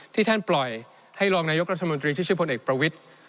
ที่ท่านปล่อยให้รองนายกรัฐมนตรีที่ชื่อพลเอกประวิทธิ์